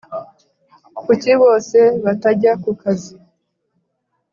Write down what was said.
kuki bose batajya kukazi